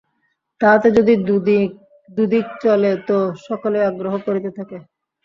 তাহাতে যদি দুদিক চলে তো সকলেই আগ্রহ করিতে থাকে।